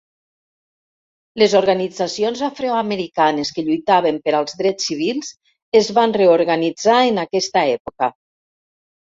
Les organitzacions afroamericanes que lluitaven per als drets civils es van reorganitzar en aquesta època.